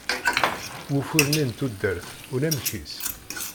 Wufur-nni n tudert, unamek-is